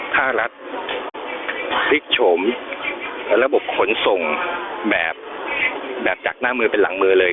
ถ้ารัฐพลิกโฉมระบบขนส่งแบบจากหน้ามือเป็นหลังมือเลย